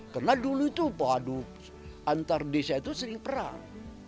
karena dulu itu padu antar desa itu sering perang